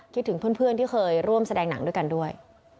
ถึงเพื่อนที่เคยร่วมแสดงหนังด้วยกันด้วย